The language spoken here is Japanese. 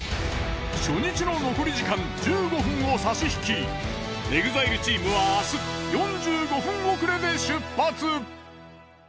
初日の残り時間１５分を差し引きＥＸＩＬＥチームはあす４５分遅れで出発！